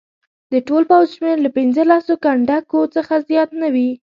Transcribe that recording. د ټول پوځ شمېر له پنځه لسو کنډکو څخه زیات نه وي.